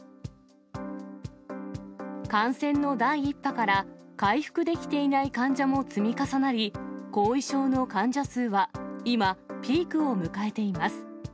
感染の第１波から回復できていない患者も積み重なり、後遺症の患者数は今、ピークを迎えています。